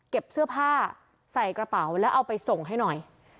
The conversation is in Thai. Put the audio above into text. เสื้อผ้าใส่กระเป๋าแล้วเอาไปส่งให้หน่อย